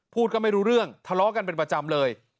ก็ไม่รู้เรื่องทะเลาะกันเป็นประจำเลย